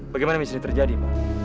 bagaimana misalnya terjadi bang